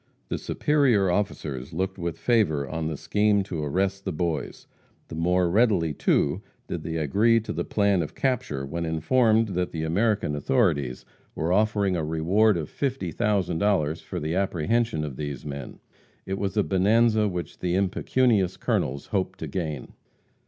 The superior officers looked with favor on the scheme to arrest the Boys. The more readily, too, did they agree to the plan of capture when informed that the American authorities were offering a reward of $50,000 for the apprehension of these men. It was a bonanza which the impecunious colonels hoped to gain.